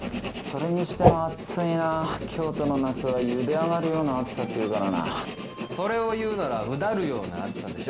それにしても暑いな京都の夏は「ゆで上がるような暑さ」って言うからなそれを言うなら「うだるような暑さ」